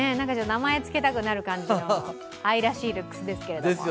名前をつけたくなる感じの、愛らしいルックスですけど。